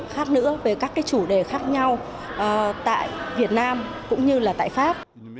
khác nữa về các cái chủ đề khác nhau tại việt nam cũng như là tại pháp